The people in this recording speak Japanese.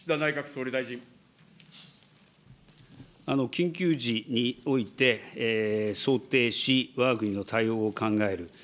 緊急時において想定し、わが国の対応を考える。